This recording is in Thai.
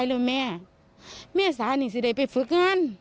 เค้าคำลองไว้เอง